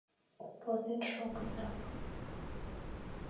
Возен шогыза.